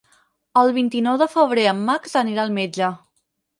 El vint-i-nou de febrer en Max anirà al metge.